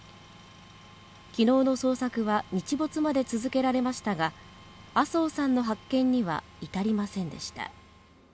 昨日の捜索は日没まで続けられましたが麻生さんの発見には至りませんでした。